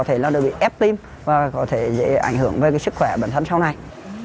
thì nó đều bị ép tim và có thể dễ ảnh hưởng với sức khỏe bản thân sau này